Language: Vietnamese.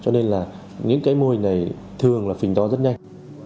những cái mô hình này thường là phình to rất nhanh